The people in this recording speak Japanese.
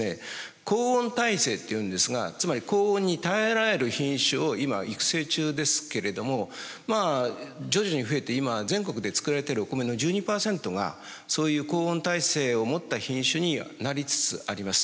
高温耐性というんですがつまり高温に耐えられる品種を今育成中ですけれども徐々に増えて今全国で作られているおコメの１２％がそういう高温耐性を持った品種になりつつあります。